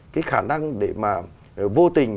cái khả năng để mà vô tình